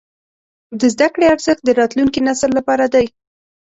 د زده کړې ارزښت د راتلونکي نسل لپاره دی.